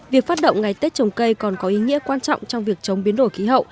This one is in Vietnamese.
việc phát động ngày tết trồng cây còn có ý nghĩa quan trọng trong việc chống biến đổi khí hậu